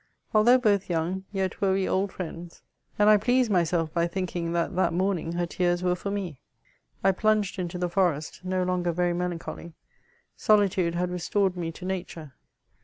Althougli both Toong, yet were we old firiends ; and I pleased myself by thinkmg that that morning her tears were for me. I plunged into the forest, no longer Yerj melancholy ; soli tode had restored me to nature.